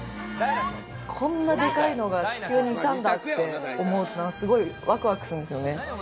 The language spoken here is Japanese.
こんなでかいのが地球にいたんだって思うとすごいワクワクするんですよね。